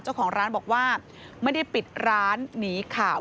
เจ้าของร้านบอกว่าไม่ได้ปิดร้านหนีข่าว